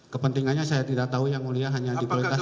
kepentingannya saya tidak tahu yang ngumpul hanya di politik sampai